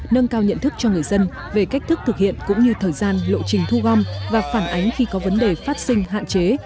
nâng cao nhận thức cho người dân về cách thức thực hiện cũng như thời gian lộ trình thu gom và phản ánh khi có vấn đề phát sinh hạn chế